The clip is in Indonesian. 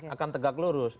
akan tegak lurus